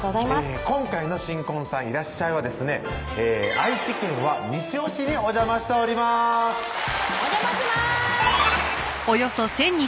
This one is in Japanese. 今回の新婚さんいらっしゃい！は愛知県は西尾市にお邪魔しておりますお邪魔します！